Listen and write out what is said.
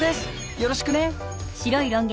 よろしくね。